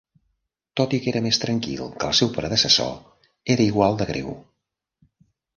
Tot i que era més tranquil que el seu predecessor, era igual de greu.